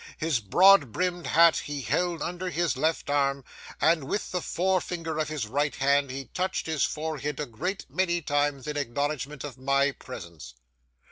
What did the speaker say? His broad brimmed hat he held under his left arm, and with the forefinger of his right hand he touched his forehead a great many times in acknowledgment of my presence.